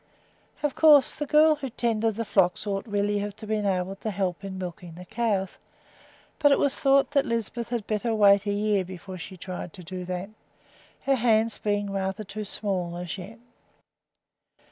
Of course the girl who tended the flocks ought really to be able to help in milking the cows; but it was thought that Lisbeth had better wait a year before she tried to do that, her hands being rather too small as yet.